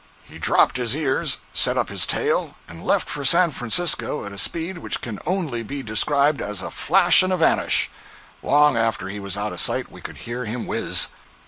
He dropped his ears, set up his tail, and left for San Francisco at a speed which can only be described as a flash and a vanish! Long after he was out of sight we could hear him whiz.